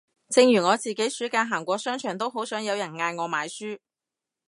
正如我自己暑假行過商場都好想有人嗌我買書